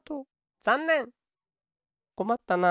こまったな。